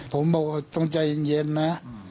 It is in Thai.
ผมบอกว่าต้องใจเย็นนะ